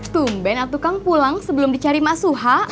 tumben atukang pulang sebelum dicari mas suha